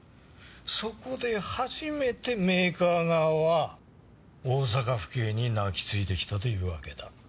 そこで初めてメーカー側は大阪府警に泣きついてきたというわけだ。